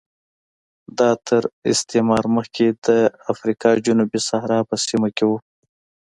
دا تر استعمار مخکې د افریقا جنوبي صحرا په سیمه کې و